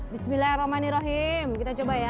bismillahirrohmanirrohim kita coba ya